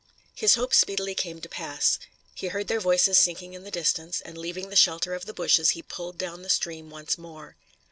His hope speedily came to pass. He heard their voices sinking in the distance, and leaving the shelter of the bushes he pulled down the stream once more.